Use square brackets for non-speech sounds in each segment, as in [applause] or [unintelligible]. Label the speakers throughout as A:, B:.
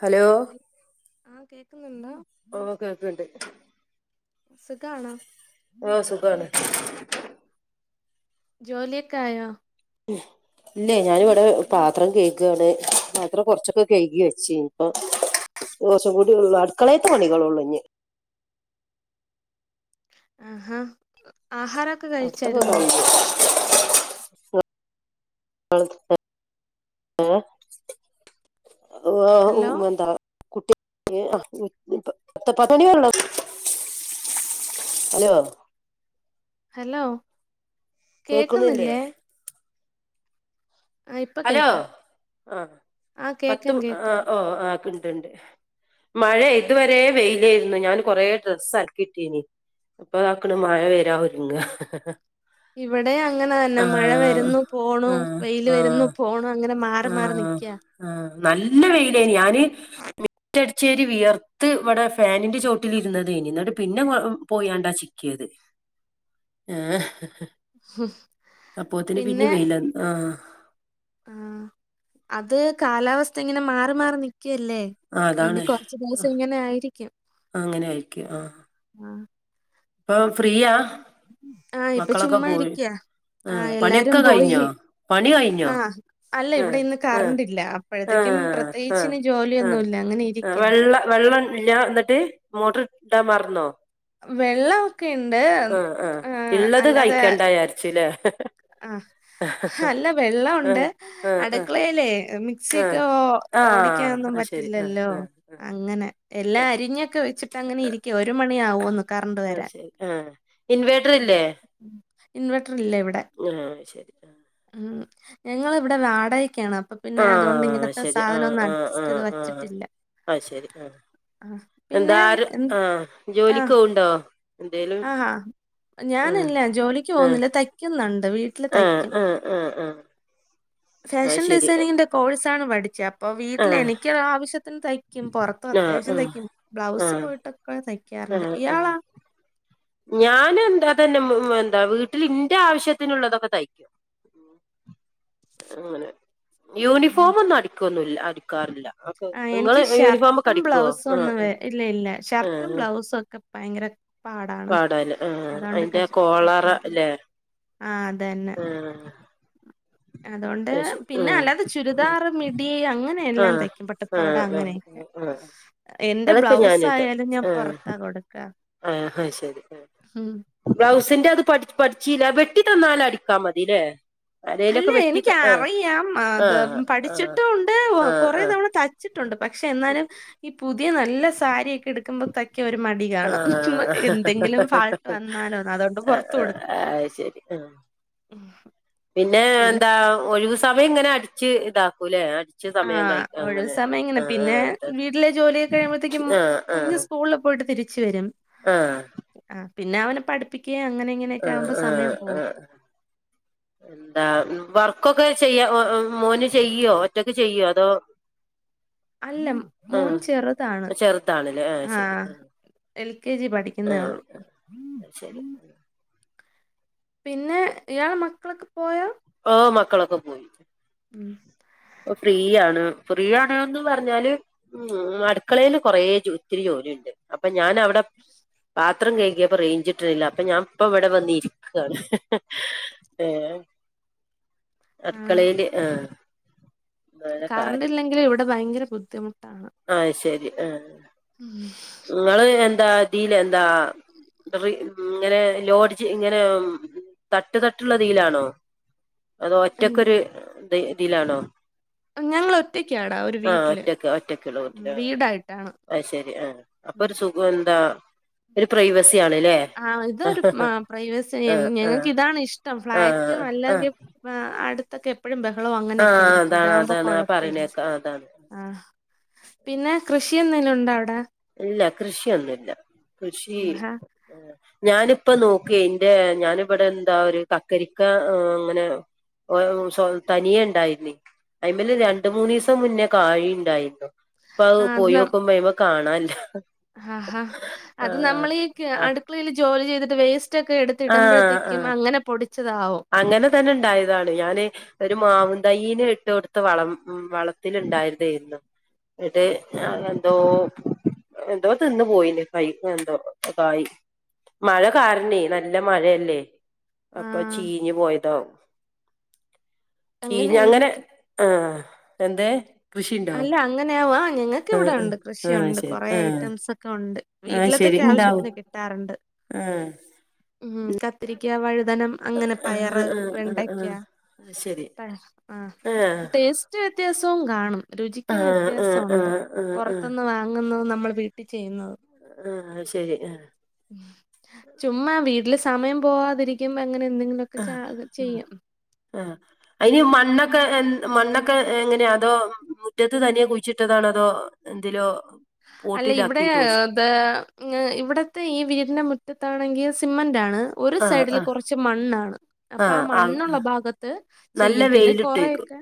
A: Hello
B: ആഹ കേൾക്കുന്നുണ്ടോ
A: ഓകേക്ണ്ട്
B: സുഖാണോ
A: ആ സുഖാണ്
B: ജോലിയൊക്കെ ആയോ
A: ഉ ഇല്ലേ ഞാനിവിടെ പാത്രം കേയ്ക താണ് പാത്രം കൊറച്ചൊക്കെ കഴുകി വെച്ചു ഇപ്പൊ ദിവസം കൂടിള്ളൂ അടുക്കളയത്തെ പണികളെള്ളൂ ഇഞ്
B: ആഹാ ആഹാരൊക്കെ
A: അടുത്തൊക്കെ
B: കഴിച്ചായിരുന്നോ
A: കഴിഞ്ഞു ആ ഓ
B: ഹലോ
A: വന്താ കുട്ടി ആ പത്ത പത്ത മണി വരെള്ളൂ ഹലോ
B: ഹലോ
A: കേക്ക്ണില്ലേ
B: കേക്കുന്നില്ലേ ആഹ് ഇപ്പൊ
A: ഹലോ
B: കേക്കാം
A: ആ
B: ആഹ് കേക്കാം
A: പത്തും ആ
B: കേക്കാം
A: ഓ ആ കിണ്ട്ണ്ട് മഴ ഇതുവരെ വെയിലായിരുന്നു ഞാൻ കൊറെ ഡ്രസ്സ് അലക്കിട്ടീനി ഇപ്പൊതാക്കണ മഴ വരാ ഒരുങ്ങഹ
B: ഇവിടെ അങ്ങനെ തന്നെ മഴ വരുന്നു പോണു വെയിൽ വരുന്നു പോണു അങ്ങനെ മാറി മാറി
A: ആഹ
B: നിക്ക്യാ
A: ആഹ നല്ല വെയിലേ ഞാന് മിറ്റ അടി ച്ചേരി വിയർത്ത് ഇവിടെ ഫാനിൻന്റെ ചോട്ടിലിരുന്നതനി എന്നോട്ട് പിന്നെ പോയണ്ടാ ചിക്കിയത് ആഹ അപ്പോത്തിന് പിന്നെ വെയില് ആഹ്
B: ആഹ അത് കാലാവസ്ഥ ഇങ്ങനെ മാറി മാറി നിക്കല്ലേ
A: ആഹ്
B: ഇനി
A: അതാണ്
B: കൊറച്ച്
A: ആ,
B: ദിവസം ഇങ്ങനെ ആയിരിക്കും
A: അങ്ങനെ ആയിരിക്കും ആഹ
B: ആഹ്
A: അപ്പൊ ഫ്രീയാ
B: ആഹ് ഇപ്പൊ
A: മക്കളൊക്കെ
B: ചുമ്മാ
A: പോയി
B: ഇരിക്കയാ ആഹ
A: ആഹ്
B: എല്ലാരും
A: പണിയൊക്കെ
B: പോയി
A: കഴിഞ്ഞോ പണി
B: ആ
A: കഴിഞ്ഞോ
B: അല്ല ഇവിടെ ഇന്ന് കറണ്ടില്ല അപ്പോഴത്തേക്ക
A: ആ ആ ആ ആ
B: ഇരിക്കാ
A: വെള്ള വെള്ളല്ല എന്നിട്ട് മോട്ടർ ഇടാൻ മറന്നോ
B: വെള്ളമൊക്കെുണ്ട്
A: ആഹ് ആഹ്
B: ഏ
A: ഇള്ളത്
B: അല്ലാതെ
A: കഴിക്കണ്ട വിചാരിച്ചുല്ലേ
B: അ ആ അല്ല വെള്ളം ഉണ്ട്
A: ആഹ് ആഹ് ആഹ്
B: അടുക്കളയിലേ മിക്സിയൊക്കെ
A: ആഹ് ആഹ്
B: ഓടിക്കാനൊന്നും
A: അത് ശരി ആഹ്
B: പറ്റില്ലല്ലോ?
A: ആഹ് ആഹ്
B: അങ്ങനെ എല്ലാം അരിഞ്ഞൊക്കെ വെച്ചിട്ട് അങ്ങനെ
A: ആഹ്
B: ഇരിക്ക വരു മണി ആവോ ഒന്ന് കറണ്ട്
A: അത്
B: വരാ
A: ശരി ആഹ് ഇൻവേർട്ടർ ഇല്ലേ
B: ഇൻവേർട്ടർ ഇല്ലേ ഇവിടെ
A: ആയ് ശരി ആ
B: ഞങ്ങള് ഇവിടെ വാടക ക്കാണ് അപ്പൊ പിന്നെ അതുകൊണ്ട്
A: ആഹ്
B: ഇങ്ങനത്തെ
A: ശരി
B: സാധനം
A: ആഹ്
B: ഒന്നും
A: ആഹ്
B: അഡ്ജസ്റ്റ്
A: ആഹ്
B: ചെയ്ത്
A: ആഹ്
B: വെച്ചിട്ടില്ല.
A: അത് ശരി ആഹ്
B: ആ പിന്നെ
A: എന്താര്
B: എ
A: ആഹ്
B: ആ
A: ജോലിക്ക് പോവ്ണ്ടോ എന്തേലും
B: ആ
A: ആഹ്
B: ഞാനില്ല ജോലിക്ക്
A: ആഹ്
B: പോകുന്നില്ല തയ്ക്കുന്നുണ്ട്. അ വീട്ടീല്
A: ആഹ്
B: തയ്ക്കും.
A: ആഹ് ആഹ് ആഹ് അത്
B: ഫാഷൻ
A: ശരി
B: ഡിസൈനിങ്ങിന്റെ കോഴ്സാ ണ് പഠിച്ചത് അപ്പൊ വീട്ടിൽ
A: ആഹ്
B: എനിക്ക് ആവശ്യത്തിന് തയ തക്കും പുറത്തും
A: ആഹ്
B: അത്യാവശ്യം
A: ആഹ്
B: തയ്ക്കും ബ്ലൗസ്
A: ആഹ്
B: പോയിട്ടൊക്കെ തയ്ക്കാറുണ്ട് ഇയാളാണ്
A: ഞാന എന്താ അതന്നെ ഉ എന്താ വീട്ടിൽ ഇന്റെ ആവശ്യത്തിനുള്ളതൊക്കെ തയ്കും ഉം
B: ആഹ്.
A: യൂണിഫോമന്നും അടിക്കൊന്ന അടിക്കാറില്ല. ക്കെ
B: ആ
A: നിങ്ങള്
B: എനിക്ക്
A: യൂണിഫോമക്കെ അ
B: ഷർട്ടും
A: ടിക്കുവോ
B: ബ്ലൗസും
A: ആ
B: ഒന്നും വേ- ഇല്ല ഇല്ല.
A: ആ
B: ഷർട്ടും ബ്ലൗസും ഒക്കെ ഭയങ്കര പാടാണ്.
A: പാടോലെ ആ
B: അതുകൊണ്ട്
A: അയിന്റെ
B: കഷ
A: കോളറ
B: തയ്ക്കാറില്ല.
A: ല്ലേ?
B: ആ
A: ആ
B: അതൊണ്ട് പിന്നെ അല്ലാതെ ചുരിദാർ, മിഡി, അങ്ങനെ എല്ലാം
A: ആഹ്
B: തൈ പ്പ
A: ആഹ്
B: അവടെ
A: ആഹ്
B: അങ്ങനെയൊക്കെ
A: ആഹ് ആഹ്
B: എന്റെ
A: അതൊക്കെ
B: ബ്ലൗസ്
A: ഞാനിട്ട്
B: ആയാലും ഞാൻ പൊറത്താ കൊടുക്ക.
A: ആയ് ശെരി.
B: ഹ്മ്.
A: ത് ന്റത് പട് പട്ച്ചീല വെട്ടി തന്നാലടിക്കാ മതിലെ
B: അല്ലേ എനിക്ക അറിയാം അത്
A: ആഹ് ആഹ്
B: പഠിച്ചിട്ടുംണ്ട്
A: ആഹ്
B: കൊറെ തവണ തൈച്ചുട്ടുണ്ട്. പക്ഷെ എന്നാലും ഈ പുതിയ നല്ല സാരിയൊക്കെ എടുക്കുമ്പോ ത ക്കെ ഒരു മടി
A: ആഹ്
B: കാണും
A: ആഹ്
B: എന്തെങ്കിലും ഫാൾട്ട് വന്നാലോന്ന് അതൊണ്ട് പൊറത്ത് കൊടുക്കും.
A: അയ് ശെരി ആ
B: ഉം
A: ന്നെ
B: പിന്നെ
A: എന്താ ഒയിവു സമയം ങ്ങനെ അടിച്ച് ഇതാക്കുലെ? ർച്ച് സമയം കൈ
B: ആഹ് ഒഴിവ്
A: അങ്ങനെ
B: സമയം ഇങ്ങനെ
A: ആ ആ
B: പിന്നെ വീട്ടിലെ ജോലിയൊക്കെ കഴിയുമ്പഴത്തേക്കും
A: ആ ആ ആ ആ
B: കുഞ്ഞ് സ്കൂളിൽ പോയിട്ട് തിരിച്ച് വരും
A: ആ
B: ആ പിന്നെ അവനെ പഠിപ്പിക്ക്യ അങ്ങനെ ഇങ്ങനെയൊക്കെ ആവുമ്പോ സമയം
A: ആഹ്
B: പോവും.
A: ആഹ് എന്താ മ് വർക്കൊക്കെ ചെയ്യ ഒ ഓ മോന് ചെയ്യോ ഒറ്റക്ക് ചെയ്യോ അതോ?
B: അല്ല മോൻ ചെറുതാണ്
A: ആ ചെർതാണല്ലേ ആ ശരി
B: എൽ കെ ജി
A: ആ.
B: പഠിക്കുന്നേ ഉള്ളൂ
A: ആ ശെരി.
B: പിന്നെ ഇയാളെ മക്കളൊക്കെ പോയോ?
A: ആ മക്കളൊക്കെ പോയി.
B: ഉം.
A: പ്പൊ ഫ്രീ ആണ് ഫ്രീ ആണ്ന്ന് പറഞ്ഞാല് ഉം അടുക്കളേല് കൊറെേ ജൊ ഒത്തിരി ജോ ലിണ്ട് അപ്പൊ ഞാന് അവിടെ ത്രം കഴുകിയപ്പൊ റേഞ്ച്ട്ട്ണ്ല്ല അപ്പൊ ഞാൻ ഇപ്പം ഇവിടെ വന്നിരിക്കാണ് ഏ.
B: [inaudible] ആ
A: അടുക്കളേല് ആ
B: കറണ്ട് ഇല്ലെങ്കിൽ ഇവിടെ ഭയങ്കര ബുദ്ധിമു
A: അയ് ശെരി ആ.
B: ഉം.
A: ങ്ങള് എന്താ തീലെ എന്താ? [unintelligible] ഇങ്ങനെ ലോഡ്ജ് ഇങ്ങനെ മ് തട്ട് തട്ട്ള്ളതീലാണോ? അതോ
B: ഉം.
A: ഒറ്റക്കൊരു ത് തീലാണോ?
B: ഞങ്ങൾ ഒറ്റക്കാടാ ഒരു
A: ആ
B: വീട്ടില്
A: ഒറ്റക്ക് ഒറ്റക്ക് ള്ള വീട്ട്ൽ ആഹ്
B: വീടായിട്ടാണ്
A: ഐ ശെരി ആഹ. അപ്പൊ ഒരു സുഖം ന്താ ഒരു പ്രൈവ
B: ആഹ് ഇതൊരു മ് ആ പ്രൈവസി ഇൻ
A: ആ
B: ഞങ്ങക്ക്
A: ആ
B: ഇതാണ് ഷ്ട്ടം
A: ആ
B: ഫ്ലാറ്റ്
A: ആ
B: അല്ലെങ്കി ആഹ് അട് പ്പഴും ബെഹളും
A: ആ
B: അങ്ങനെക്കെയിരിക്കും
A: അതാണ്
B: ഇതാകുമ്പോ
A: അതാണ് ആ പറയണേക്ക
B: കൊയപ്പരിക്കും
A: ആ, അതാണ്
B: ആഹ്. പിന്നെ കൃഷി എന്തെലും ണ്ടോ അവിടെ?
A: ഇല്ല കൃഷിയൊന്നില്ല കൃഷി
B: ആഹാ
A: എ ഞാനിപ്പ നോക്കെ ന്റെ ഞാനിവിടെ ന്താ ഒരു കക്കരിക്കങ്ങനെ. [unintelligible] സൊ തനിയെ ഇണ്ടായിനി അയിമല് രണ്ട് മൂന്നിസം മുന്നേ കായി ണ്ടായിരുന്നു. ഇപ്പഹ് പോയോക്കുമ്പോ അയിമെ കാണല്ല.
B: ഹാഹാ അത് നമ്മളീ കെ അടുക്കളേൽ ജോലി ചെയ്തിട്ട് വേസ് [unintelligible] ക്കെ
A: ആ ആ
B: എടുത്തിടുമ്പോഴത്തേക്കും
A: ആ
B: അങ്ങനെ പൊ
A: അങ്ങനെ തന്നെ ണ്ടായതാണ് ഞാന് ഒരു മാവുന്തെയ്യ്ന് ഇട്ട് കൊട് ത്ത് വളം മ് വളത്തിൽ ണ്ടായതേര്ന്ന് ന്നട്ട് ആ ന്തോ എന്തോ തിന്ന് പോയിനി പൈയെന്തോ കായ്. മഴ കാരണേ നല്ല മയല്ലേ അപ്പൊ
B: ആഹ്
A: ചീഞ്ഞ് പോയതാവും.
B: അങ്ങനെ
A: കീഞ്ഞങ്ങനെ
B: ആയിരിക്കും
A: എ എന്ത്?
B: അല്ല അങ്ങനെയാവുവാ ഞങ്ങക്ക് ഇവിടെ ഉണ്ട്
A: ആഹ്
B: കൃഷിയുണ്ട്
A: ആഹ് ശരി
B: കൊറേ
A: ആഹ്
B: ഐറ്റംസ് ഒക്കെ ഉണ്ട്
A: ആഹ്
B: വീട്ടിലത്തെ
A: ശരി
B: ഒക്കെ
A: ഇണ്ടാവും
B: ആവശ്യത്തിന് കിട്ടാറുണ്ട്
A: ആഹ്
B: ഉം കത്തിരിക്ക, വഴുതനം, അങ്ങനെ
A: ആഹ്
B: പയറ്
A: ആഹ് ആഹ് ആഹ്
B: വെണ്ടക്ക
A: ശരി
B: ആഹ്
A: ആഹ്
B: ടേസ്റ്റ് വ്യത്യാസവും കാണും രുചിക്കും
A: ആഹ് ആഹ്
B: വ്യത്യാസമുണ്ട്
A: ആഹ് ആഹ് ആഹ്
B: പുറത്ത്നിന്ന് വാങ്ങുന്നതും നമ്മൾ വീട്ടിൽ ചെയ്യുന്നതും
A: ആഹ് ശരി ആഹ്
B: ചുമ്മാ വീട്ടില് സമയം പോവാതിരിക്കുമ്പോ അങ്ങനെ എന്തെങ്കിലുമൊക്കെ ച
A: ആഹ്
B: ചെയ്യും
A: ആഹ് ആഹ് അയിന് ഈ മണ്ണ് മണ്ണൊക്കെ മണ്ണൊക്കെ എങ്ങനെയാ അതോ മുറ്റത്ത് തനിയെ കുഴിച്ചിട്ടതാണോ അതോ എന്തിലോ
B: അല്ല ഇവിടെ
A: പോട്ടിലാക്കിയിട്ട് കുഴിച്ചി
B: അത് ഉം ഇവിടത്തെ ഈ വീടിന്റെ മുറ്റത്താണെങ്കിൽ സിമന്റ് ആണ് ഒരു
A: ആഹ്
B: സൈഡിൽ
A: ആഹ്
B: കുറച്ച് മണ്ണാണ് അപ്പം ആ
A: ആഹ് ആഹ്
B: മണ്ണുള്ള ഭാഗത്ത്
A: നല്ല
B: ചെയ്യും പിന്നെ
A: വെയിലിട്ടേക്കും
B: കൊറേയൊക്കെ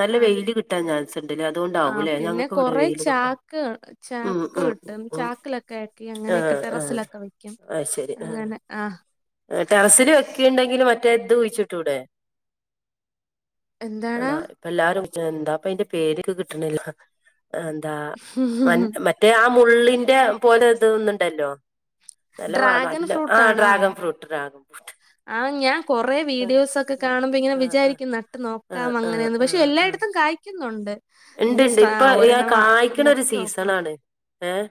A: നല്ല
B: ആഹ്
A: വെയില് കിട്ടാൻ ചാൻസ് ഉണ്ടല്ലേ
B: ആഹ്
A: അതുകൊണ്ടാവൂല്ലേ
B: പിന്നെ
A: ഞങ്ങൾക്ക് ഇവിടെ
B: കൊറേ
A: വെയില് കുറവാ
B: ചാക്ക് കാണ്
A: ഉം
B: ചാക്ക്
A: ഉം
B: കിട്ടും
A: ഉം
B: ചാക്കിലൊക്കെ ആക്കി അങ്ങനെയൊക്കെ
A: ആഹ് ആഹ്
B: ടെറസിലൊക്കെ വെക്കും
A: അത് ശരി ആഹ്
B: അങ്ങനെ ആഹ്
A: ടെറസില് വെക്കിയുണ്ടെങ്കിലും മറ്റേ ഇത് കുഴിച്ചിട്ടൂടെ?
B: എന്താടാ
A: അടാ ഇപ്പം എല്ലാരും എന്താപ്പ അതിന്റെ പേരെക്കെ കിട്ടണില്ല എന്താ മ മറ്റേ ആ മുള്ളിന്റെ പോലെ ഇതൊന്നുണ്ടല്ലോ നിലവാണ്
B: ഡ്രാഗൺ
A: അല്ല ആഹ്
B: ഫ്രൂട്ടാണാ
A: ഡ്രാഗൺ ഫ്രൂട്ട് ഡ്രാഗൺ ഫ്രൂട്ട്
B: കുറേ വീഡിയോസ് ഒക്കെ കാണുമ്പം ഇങ്ങനെ
A: ആ ആ
B: വിചാരിക്കും നട്ട്
A: ആ
B: നോക്കാം
A: ആ
B: അങ്ങനെയെന്ന്
A: ആ
B: പക്ഷെ
A: ആ
B: എല്ലായിടത്തും കായ്ക്കുന്നുണ്ട് ഇനി
A: ഇണ്ട്ണ്ട്
B: സ്ട്രാ
A: ഇപ്പൊ
B: ഒരെണ്ണം വാ-
A: കായ്ക്കണ ഒരു
B: നട്ട്
A: സീസൺ
B: നോക്കണം
A: ആണ് ഏയ്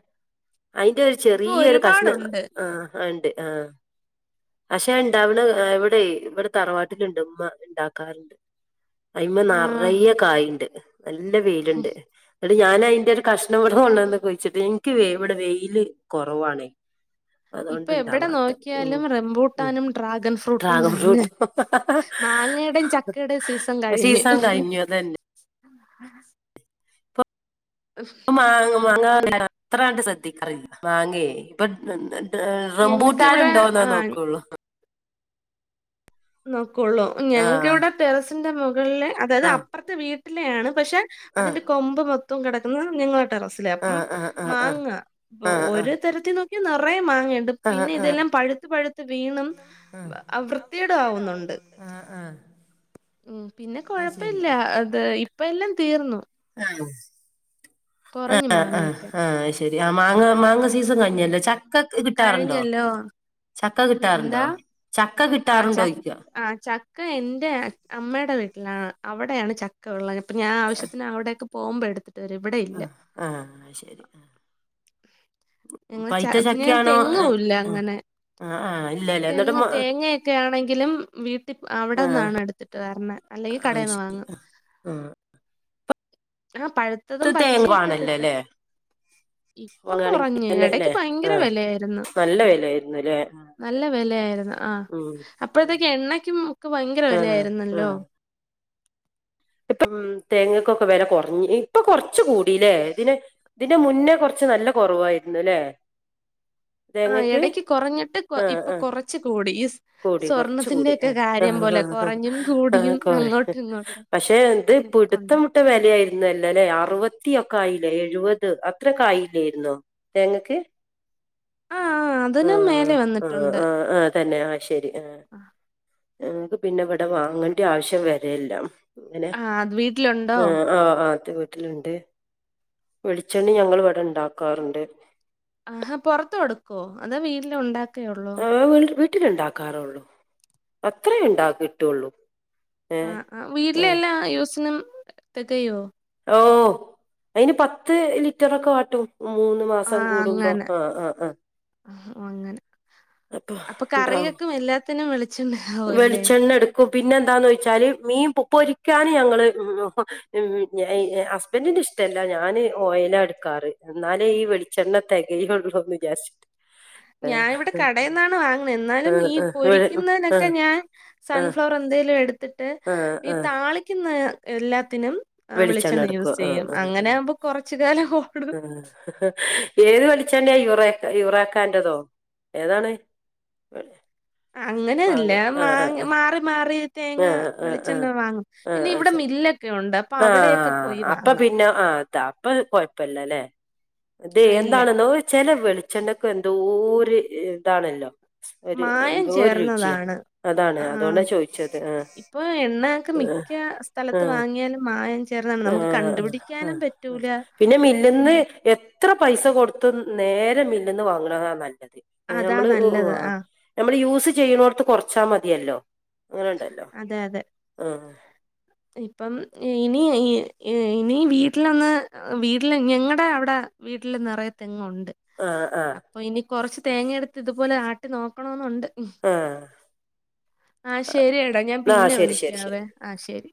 A: അയിന്റെ ഒരു
B: ഇപ്പൊ
A: ചെറിയൊരു കഷ്ണം
B: ഒരുപാടുണ്ട്
A: ആഹ് ഉണ്ട് ആഹ് പക്ഷെ ഇണ്ടവടെ ഇവിടെയേ ഇവിടെ തറവാട്ടിലുണ്ട് ഉമ്മ ഉണ്ടാക്കാറുണ്ട് അയിമ്മേ
B: ആഹ്
A: നറയെ കായുണ്ട് നല്ല വെയിലുണ്ട് ന്നിട്ട് ഞാൻ അയിന്റെ ഒരു കഷ്ണപ്പെടുന്നുണ്ടോന്ന് കുയിച്ചിട്ട് എനിക്ക് വ്ട് വെയില് കുറവാണേ അതുകൊണ്ട്
B: ഇപ്പം എവിടെ
A: ഇണ്ടാവാത്ത ഉം
B: നോക്കിയാലും
A: ഉം
B: റംബൂട്ടാനും ഡ്രാഗൺ ഫ്രൂട്ടും
A: ഡ്രാഗൺ
B: തന്നെ
A: ഫ്രൂട്ട്
B: മാങ്ങയുടെയും ചക്കയുടെയും സീസൺ കഴിഞ്ഞ്
A: സീസൺ കഴിഞ്ഞു അതന്നെ ഇപ്പം മാങ്ങ മാങ്ങ അത്രായിട്ട് ശ്രദ്ധിക്കാറില്ല മാങ്ങേ ഇപ്പൊ റ റംബൂട്ടാൻ
B: ഞങ്ങക്കിവിടെ
A: ഉണ്ടോന്ന്
B: ആഹ്
A: നോക്കുള്ളൂ
B: നോക്കുള്ളൂ
A: ആ
B: ഞങ്ങക്ക്‌ ഇവിടെ ടെറസിന്റെ മുകളില് അതായത്
A: ആ
B: അപ്പുറത്തെ വീ പക്ഷെ
A: ആ
B: അതിന്റെ കൊമ്പ് മൊത്തം കെടക്കുന്നെ നിങ്ങള ടെറസില്
A: ആ
B: അപ്പം
A: ആ ആ ആ ആ
B: മാങ്ങ
A: ആ ആ
B: [unintelligible] ഒര് തരത്തില് നോക്കിയാ നെറയെ മാ [unintelligible]
A: ആ ആ
B: പിന്നെ ഇതെല്ലാം പഴുത്ത് പഴുത്ത് വീണും വൃ ത്തി കേടാവുന്നുണ്ട്
A: ആ ആ ആ.
B: ഉം പിന്നെ
A: അത് ശരി
B: കൊഴപ്പില്ല അത് ഇപ്പം എല്ലാം
A: [inaudible]
B: കുറഞ്ഞു
A: ആഹ് ആഹ്
B: മാങ്ങയൊക്കെ
A: ആഹ് ശരി ആ മാങ്ങ മാങ്ങ സീസൺ കഴിഞ്ഞല്ലോ ചക്ക കിട്ടാറുണ്ടോ
B: കഴിഞ്ഞല്ലോ
A: ചക്ക കിട്ടാറ്ണ്ടോ
B: ആഹ് ച ആ ചക്ക എന്റെ അമ്മയുടെ വീ ട്ടിലാണ് അവിടെയാണ് ചക്ക ഉള്ളത് അപ്പം ഞാൻ ആവശ്യത്തിന് അവിടെയൊക്കെ പോവുമ്പോ എട്
A: ആഹ് ആഹ് ശരി
B: നിങ്ങള് ച
A: പൈത്ത
B: ഞെ
A: ചക്കയാണോ
B: തെങ്ങും
A: ആഹ്
B: ഇല്ല അങ്ങനെ
A: ആഹ് ആഹ് ഇല്ലല്ലേ എന്നിട്ട്
B: തെങ്ങ്
A: മ
B: തേങ്ങയൊക്കെ ആണെങ്കിലും വീട്ടി
A: ആഹ്
B: അവിടന്നാണ് എടുത്തിട്ട് വരണെ അല്ലെങ്കി
A: ആഹ്
B: കടേന്ന്
A: ശരി
B: വാങ്ങും
A: ആഹ്
B: [unintelligible]
A: ഇത്
B: പഴുത്തതും
A: തേങ്ങ
B: പച്ചയൊക്കെ
A: വാണല്ലോ
B: കിട്ടാ
A: അല്ലേ
B: ഇപ്പ
A: വാങ്ങാണെങ്കിൽ
B: കുറഞ്ഞ്
A: തന്നെ
B: എടക്ക്
A: അല്ലേ
B: ഭയങ്കര
A: ആഹ്
B: വെലയായിരുന്നു
A: നല്ല വിലയായിരുന്നുല്ലേ
B: നല്ല വെ ലയായിരുന്നു ആഹ്
A: ഉം ഉം
B: അപ്പഴത്തേക്ക് എണ്ണക്കും ഒക്കെ ഭയങ്കര വെല
A: ആഹ്
B: ആയിരുന്നല്ലോ
A: ആഹ് ഇപ്പം ഉം തേങ്ങക്കൊക്കെ വെല കുറഞ്ഞിനി ഇപ്പൊ കൊറച്ച് കൂടീലേ ഇതിന് ഇതിന്റെ മുന്നേ കുറച്ച് നല്ല കുറവായിരുന്നു ലേ
B: [unintelligible] ആ എടക്ക് കൊറഞ്ഞിട്ട്
A: ആഹ്
B: ഇപ്പൊ
A: ആഹ്
B: കൊറച്ച് കൂടി ഈ
A: കൂടി കൊറച്ച് കൂടി
B: സ്വർണത്തിന്റെയെക്കെ
A: ആഹ്
B: കാര് ചെയ്യും
A: ആഹ്
B: പോലെ
A: ആഹ്
B: കുറഞ്ഞും
A: ആഹ്
B: കൂടിയും
A: കോര
B: അങ്ങോട്ടും ഇങ്ങോട്ടും.
A: പക്ഷെ എന്ത് ഇപ്പൊ
B: നിപ്പുണ്ട്.
A: പിടുത്തം വിട്ട വിലയായിരുന്നു അല്ലല്ലേ ആറും മുപ്പത്തിയൊക്കൊയില്ലേ എഴുപത് അത്രക്കായില്ലായിരുന്നോ തേങ്ങക്ക്.
B: ആഹ് ആഹ് അതിനും
A: ആഹ്
B: മേലെ
A: ആഹ്
B: വന്നിട്ടുണ്ട്.
A: ആഹ് ആഹ് തന്നെ ആഹ് ശരി.
B: ആഹ്.
A: ക്ക് പിന്നെ ഇവിടെ വാങ്ങണ്ട ആവശ്യം വരെല്ല അങ്ങനെ
B: ആഹ് അത് വീട്ടിലുണ്ടോ?
A: ആഹ് ആഹ് ആഹ്. ത്തെ വീട്ടിലുണ്ട് വെളിച്ചെണ്ണ ഞങ്ങൾ ഇവിടെ ഉണ്ടാക്കാറുണ്ട്.
B: ആഹാ പൊറത്ത് കൊടുക്കുവോ അതോ വീട്ടിലോണ്ടാക്കെഒള്ളോ
A: ആഹ് വീട്ടിലുണ്ടാക്കാറുള്ളൂ അത്രേണ്ടകിട്ടുള്ളൂ
B: ആഹ് ആഹ് വീട്ടിലെ എല്ലാം യൂസിനും തികയോ?
A: ഓ അയിൻ പത്ത് ലിറ്ററൊക്കെ വാട്ടും മൂന്ന് മാസം
B: ആഹ്
A: കൂടുമ്പോ ആഹ് ആഹ് ആഹ്.
B: ഓ അങ്ങനെ അപ്പൊ
A: ഉണ്ടാവും
B: കറികൾക്കും എല്ലാത്തിനും വെളി
A: വെളിച്ചെണ്ണ എടുക്കും പിന്നെ എന്താന്ന് വെച്ചാല് മീൻ പൊരിക്കാന് ഞങ്ങള് ഉം ഹസ്ബൻറ്റിന്റെ. ഇവിടെല്ലാം ഞാൻ ഓയിലാ എടുക്കാറ് എന്നാലേ ഈ വെളിച്ചെണ്ണ തികയുള്ളുന്ന് വിചാരിച്ചിട്ട്. ആ
B: ഞാൻ ഇവിടെ കടെന്നാണ് വാങ്ങണെ
A: ആ
B: എന്നാലും ഈ
A: ആ
B: പൊരിക്കുന്നതിന
A: ആ
B: ഒക്കെ ഞാൻ
A: ആ
B: സൺഫ്ലവർ എന്തെലും എടുത്തിട്ട്
A: ആ
B: ഈ
A: ആ ആ
B: താളിക്കുന്ന എല്ലാ
A: വെളിച്ചെണ്ണ എടുക്കും ആഹ് ആഹ്
B: അങ്ങനെയാവുമ്പോ കൊറച്ച് കാലം ഓടും.
A: എ ഏത് വെളിച്ചെണ്ണയാ യുറാക്ക യുറാക്കാന്റെതോ ഏതാണ്.
B: അങ്ങനെ അല്ല
A: വാങ്ങ ആ
B: മാങ്ങ മാറി മാറി
A: ആ ആ
B: തേങ്ങ
A: ആ
B: വെളിച്ചെണ്ണ വാങ്ങും പിന്നെ ഇവിടെ മില്ല്
A: ആഹ് അപ്പൊ പിന്നെ ആ അതാ അപ്പൊ കൊഴപ്പില്ലല്ലേ. അതെ
B: ആഹ് ഇല്ല
A: എന്താണെന്നോ ചെല വെളിച്ചെണ്ണക്കും എന്തോ ഒരു ഇതാണല്ലോ? ഒര് എ
B: മായം ചേർന്നതാണ്. ആഹ്
A: ചോദിച്ചത് ആ
B: ഇപ്പൊ എണ്ണ ഒക്കെ മിക്ക
A: ആ
B: സ്ഥലത്ത്
A: ആ
B: വാങ്ങിയാലും മ
A: ആഹ് ആഹ് ആഹ്
B: പറ്റൂല.
A: പിന്നെ മില്ലിന്ന്
B: ഉം.
A: എ ത്ര പൈസ കൊടുത്ത്‌ നേരമില്ലന്ന് വാങ്ങണതാനല്ല
B: അതാ
A: നമ്മള്
B: നല്ലത്. ആഹ്
A: നമ്മള് യൂസ് ചെയ്യണോടുത്ത് കുറച്ചാ മതിയല്ലോ അങ്ങനെ ഉണ്ടല്ലോ
B: അതെ അതെ.
A: ആഹ്.
B: ഇപ്പം ഇനി ഇനി വീട്ടിലൊന്ന് വീട്ടില് ഞങ്ങളടെ അവിടെ വീട്ടില് നിറയെ തെങ്ങുണ്ട്.
A: ആഹ് ആഹ്
B: അപ്പൊ ഇനി കൊറച്ച് തേങ്ങ എടുത്ത് ഇതുപോലെ ആട്ടി നോക്കണന്നുണ്ട്. ഉ
A: ആഹ്
B: ആഹ് ശരിയടാ ഞാൻ
A: ആഹ്
B: പിന്നെ
A: ശരി ശരി ശരി
B: വിളിക്കാവെ ആഹ ശരി